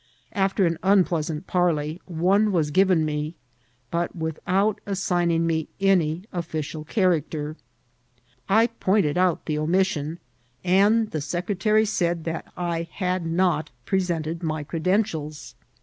After an un pleasant parley, one was given me, but without assign ing me any official character. I pointed out the omis* sion, and the secretary said that I had not presented S18 INCIDIMT8 OF TftATIL. my credentials.